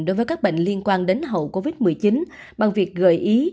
đối với các bệnh liên quan đến hậu covid một mươi chín bằng việc gợi ý